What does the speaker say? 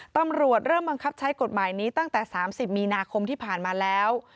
ตำรวจเริ่มบังคับใช้กฎหมายนี้ตั้งแต่๓๐มีนาคมที่ผ่านมาแล้ว